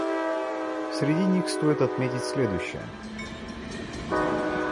Среди них стоит отметить следующие.